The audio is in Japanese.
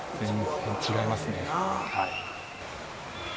違いますね。